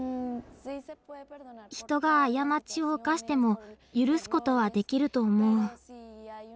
人が過ちを犯しても許すことはできると思う。